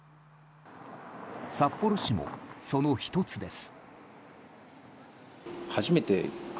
札幌市もその１つです。